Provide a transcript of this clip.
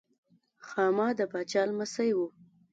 خاما د پاچا لمسی و.